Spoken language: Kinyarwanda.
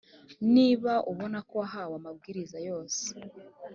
niba ubona ko wahawe amabwiriza yose